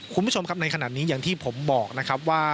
คุณผู้ชมครับในขณะนี้อย่างที่ผมบอกนะครับว่า